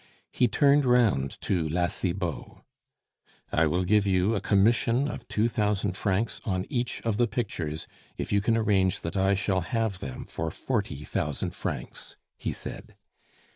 He turned round to La Cibot, "I will give you a commission of two thousand francs on each of the pictures if you can arrange that I shall have them for forty thousand francs," he said.